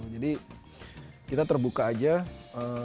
jadi kita terbuka saja sama karyawan